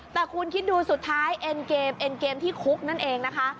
แต่คุณคิดดูสุดท้ายเอ็นเกมเอ็นเกมที่คุกนั่นเองนะคะ